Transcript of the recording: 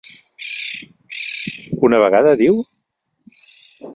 Una vegada, diu?